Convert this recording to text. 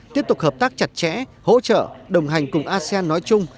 tiếp tục hợp tác chặt chẽ hỗ trợ đồng hành cùng asean nói chung